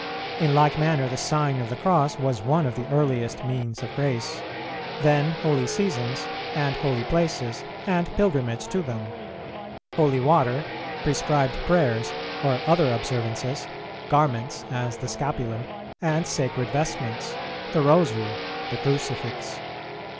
In like manner the Sign of the Cross was one of the earliest means of grace; then holy seasons, and holy places, and pilgrimage to them; holy water; prescribed prayers, or other observances; garments, as the scapular, and sacred vestments; the rosary; the crucifix.